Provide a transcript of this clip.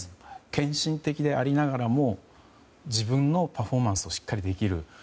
献身的でありながらも自分のパフォーマンスもしっかりできる。